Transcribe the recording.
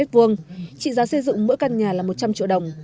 trị giá xây dựng mỗi căn nhà là một trăm linh triệu đồng